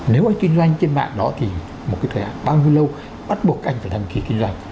nếu anh kinh doanh trên mạng đó thì một cái thời hạn bao nhiêu lâu bắt buộc các anh phải đăng ký kinh doanh